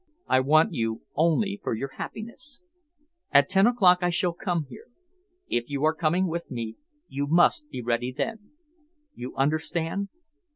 I want you only for your happiness. At ten o'clock I shall come here. If you are coming with me, you must be ready then. You understand?"